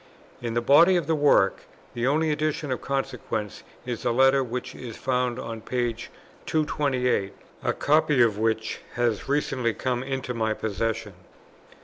In the body of the work, the only addition of consequence is the letter which is found at p. 228, a copy of which has recently come into my possession.